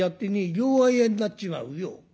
両替屋になっちまうよ。